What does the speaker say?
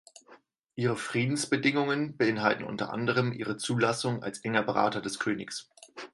Ihre Friedensbedingungen beinhalten unter anderem ihre Zulassung als enger Berater des Königs.